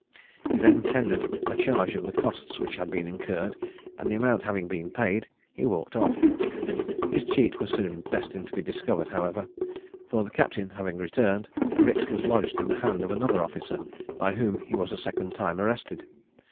He then tendered a charge of the costs which had been incurred, and the amount having been paid, he walked off. His cheat was soon destined to be discovered, however; for the captain having returned, a writ was lodged in the hands of another officer, by whom he was a second time arrested.